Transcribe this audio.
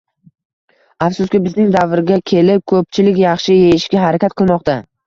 Afsuski, bizning davrga kelib ko‘pchilik yaxshi yeyishga harakat qilmoqda.